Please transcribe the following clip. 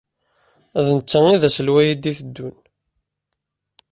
D netta i d aselway i d-iteddun.